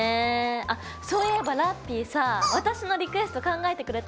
あっそういえばラッピィさ私のリクエスト考えてくれた？